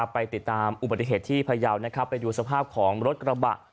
ไปติดตามอุปกฏิเหตุที่ภรรยาวไปดูสภาพของรถกระบะ